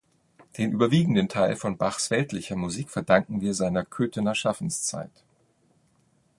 Den überwiegenden Teil von Bachs weltlicher Musik verdanken wir seiner Köthener Schaffenszeit.